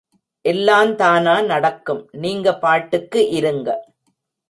எல்லாந் தானா நடக்கும் நீங்கபாட்டுக்கு இருங்க.